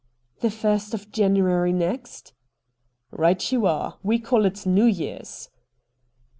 ' The first of January next ?'' Eight you are. We call it New Year's.'